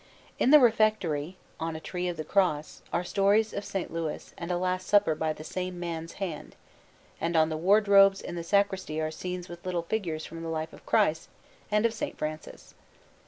In the refectory, on a Tree of the Cross, are stories of S. Louis and a Last Supper by the same man's hand; and on the wardrobes in the sacristy are scenes with little figures from the life of Christ and of S. Francis.